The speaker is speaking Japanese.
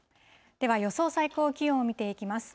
では、予想最高気温を見ていきます。